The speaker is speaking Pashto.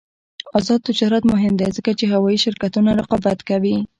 آزاد تجارت مهم دی ځکه چې هوايي شرکتونه رقابت کوي.